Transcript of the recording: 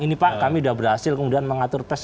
ini pak kami sudah berhasil kemudian mengatur pes